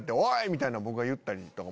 みたいなん僕が言ったり。